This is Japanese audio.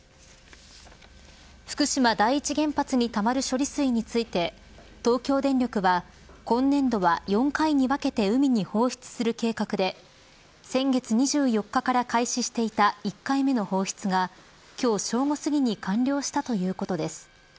福島第一原発にたまる処理水について東京電力は今年度は４回に分けて海に放出する計画で先月２４日から開始していた１回目の放出が今日正午過ぎに完了したということです。